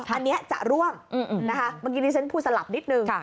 อันนี้จะร่วมนะคะเมื่อกี้ที่ฉันพูดสลับนิดนึง